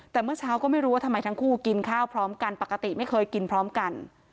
แต่เมื่อเช้าก็ไม่รู้ว่าทำไมทั้งคู่กินข้าวพร้อมกันปกติไม่เคยกินพร้อมกัน